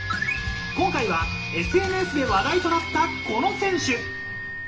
今回はＳＮＳで話題となったこの選手。